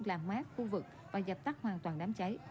làm mát khu vực và dập tắt hoàn toàn đám cháy